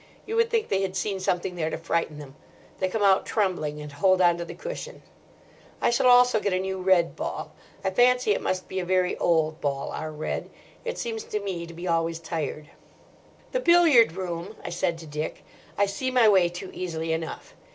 You would think they had seen something there to frighten them. They come out trembling and hold on to the cushion. I shall also get a new red ball. I fancy it must be a very old ball, our red. It seems to me to be always tired. "The billiard room," I said to Dick, "I see my way to easily enough.